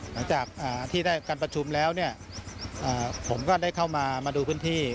หลังจากที่ได้การประชุมแล้วเนี่ยผมก็ได้เข้ามามาดูพื้นที่